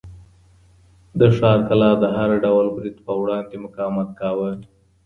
د ښار کلا د هر ډول برید په وړاندې مقاومت کاوه.